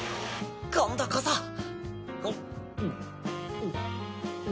今度こそ！